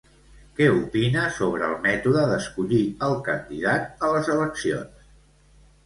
Què opina sobre el mètode d'escollir el candidat a les eleccions?